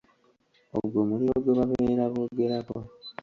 Ogwo muliro gwe babeera boogerako.